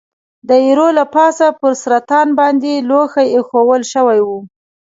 د ایرو له پاسه پر سر طاق باندې لوښي اېښوول شوي و.